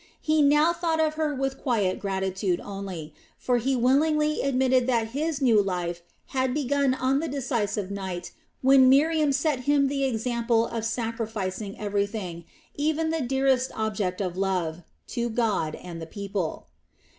He now thought of her with quiet gratitude only; for he willingly admitted that his new life had begun on the decisive night when Miriam set him the example of sacrificing everything, even the dearest object of love, to God and the people.